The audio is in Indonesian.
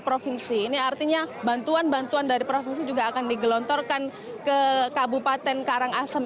provinsi ini artinya bantuan bantuan dari provinsi juga akan digelontorkan ke kabupaten karangasem